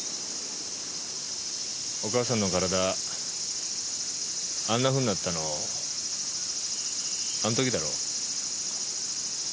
お母さんの体あんなふうになったのあの時だろ？